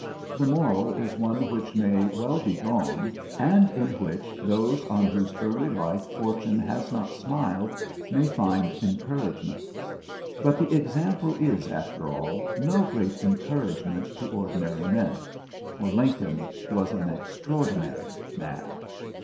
The moral is one which may well be drawn, and in which those on whose early life Fortune has not smiled may find encouragement. But the example is, after all, no great encouragement to ordinary men, for Lincoln was an extraordinary man.